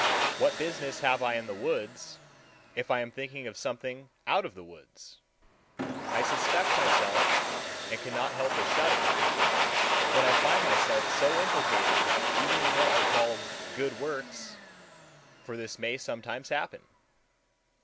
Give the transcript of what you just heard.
What business have I in the woods, if I am thinking of something out of the woods? I suspect myself, and cannot help a shudder when I find myself so implicated even in what are called good works—for this may sometimes happen.